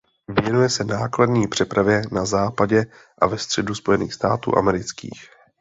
Věnuje se nákladní přepravě na západě a ve středu Spojených států amerických.